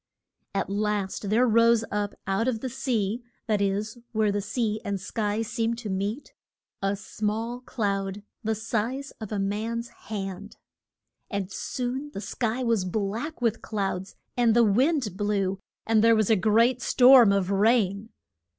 At last there rose up out of the sea that is, where the sea and sky seem to meet a small cloud, the size of a man's hand. And soon the sky was black with clouds, and the wind blew, and there was a great storm of rain.